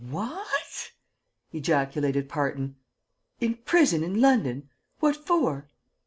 "Wha a at?" ejaculated Parton. "In prison in London? What for?"